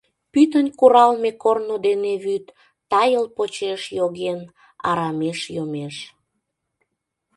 Пӱтынь куралме корно дене вӱд, тайыл почеш йоген, арамеш йомеш.